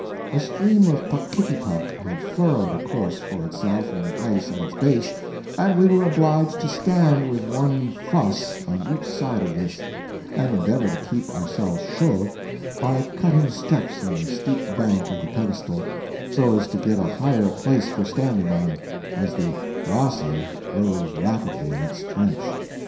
A stream of PUCKITTYPUKK had furrowed a course for itself in the ice at its base, and we were obliged to stand with one FUSS on each side of this, and endeavor to keep ourselves CHAUD by cutting steps in the steep bank of the pedestal, so as to get a higher place for standing on, as the WASSER rose rapidly in its trench.